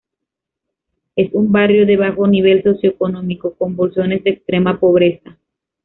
Es un barrio de bajo nivel socioeconómico, con bolsones de extrema pobreza.